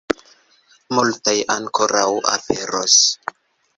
Multaj ankoraŭ aperos.